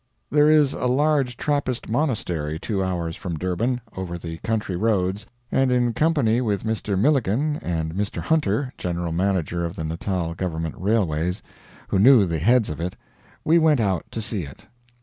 There is a large Trappist monastery two hours from Durban, over the country roads, and in company with Mr. Milligan and Mr. Hunter, general manager of the Natal government railways, who knew the heads of it, we went out to see it.